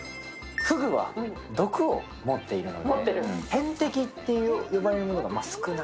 ふぐは毒を持っているので天敵と呼ばれるものが少ない。